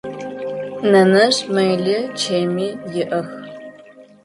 Нэнэжъ мэли чэми иӏэх.